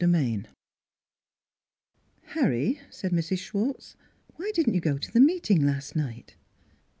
XXI "TTARRY," said Mrs. Schwartz, "why didn't you go to the meeting last T A night?"